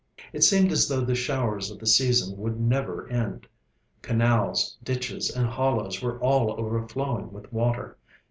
It seemed as though the showers of the season would never end. Canals, ditches, and hollows were all overflowing with water.